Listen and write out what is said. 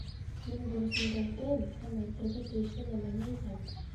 Мин бурысымды үтәйем, һәм әйтергә тейешле нәмәне әйтәм.